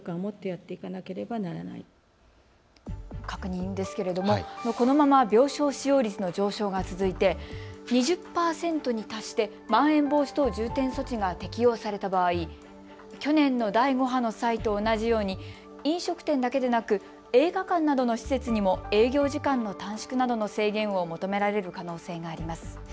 確認ですけれども、このまま病床使用率の上昇が続いて２０％に達してまん延防止等重点措置が適用された場合、去年の第５波の際と同じように飲食店だけでなく映画館などの施設にも営業時間の短縮などの制限を求められる可能性があります。